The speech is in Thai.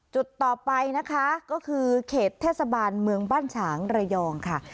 จุดต่อไปนะคะก็คือเขตเทศบาลเมืองบ้านฉางระยองค่ะ